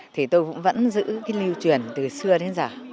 thì tôi cũng vẫn giữ cái lưu truyền từ xưa đến giờ